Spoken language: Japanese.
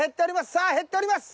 さあ減っております。